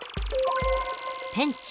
ペンチ